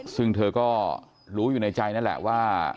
ซึ่งเธอก็รู้อยู่ในใจนั่นแหละว่า